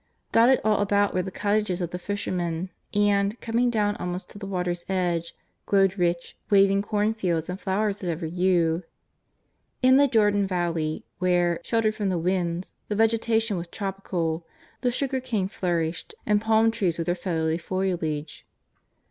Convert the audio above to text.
Dotted all about were the cottages of the fishermen, and, coming down almost to the water^s edge, glowed rich, waving cornfields and flowers of every hue. In the Jordan valley, where, sheltered from the winds, the vegetation was tropical, the sugarcane flourished, and palm trees with their feathery foliage.